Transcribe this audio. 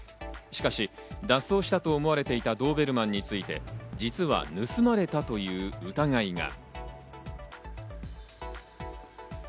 しかし、脱走したと思われていたドーベルマンについて実は盗まれたという疑いが。